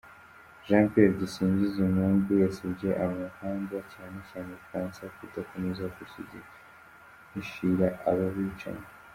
Jean Pierre Dusingizemungu, yasabye amahanga cyane cyane u Bufaransa kudakomeza guhishira abo bicanyi.